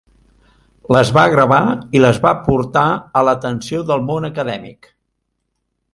Les va gravar i les va portar a l'atenció del món acadèmic.